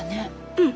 うん。